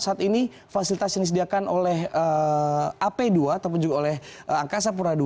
saat ini fasilitas yang disediakan oleh ap dua ataupun juga oleh angkasa pura ii